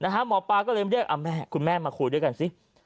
หมอปลาก็เลยเรียกแม่คุณแม่มาคุยด้วยกันสิ